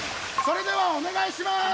それではお願いします！